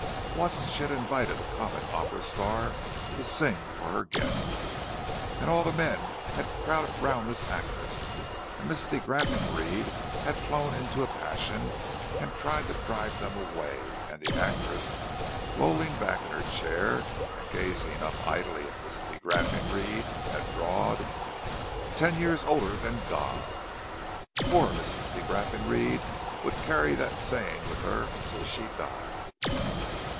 Once she had invited a comic opera star to sing for her guests, and all the men had crowded round this actress, and Mrs. de Graffenried had flown into a passion and tried to drive them away; and the actress, lolling back in her chair, and gazing up idly at Mrs. de Graffenried, had drawled, "Ten years older than God!" Poor Mrs. de Graffenried would carry that saying with her until she died.